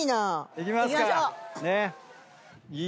行きますか。